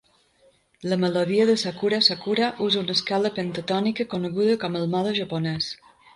La melodia de "Sakura Sakura" usa una escala pentatònica coneguda com el mode japonès.